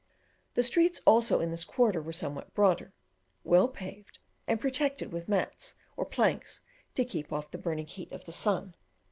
The streets, also, in this quarter were somewhat broader, well paved, and protected with mats or planks to keep off the burning heat of the sun.